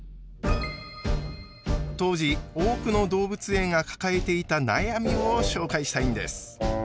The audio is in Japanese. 当時多くの動物園が抱えていた悩みを紹介したいんです。